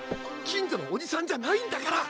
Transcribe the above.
近所のおじさんじゃないんだから！